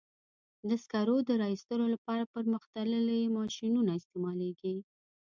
د سکرو د را ایستلو لپاره پرمختللي ماشینونه استعمالېږي.